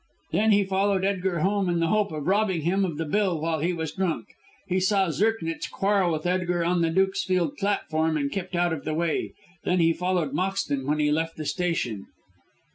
Then he followed Edgar home in the hope of robbing him of the bill while he was drunk. He saw Zirknitz quarrel with Edgar on the Dukesfield platform and kept out of the way. Then he followed Moxton when he left the station."